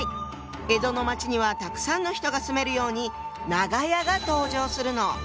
江戸の町にはたくさんの人が住めるように「長屋」が登場するの。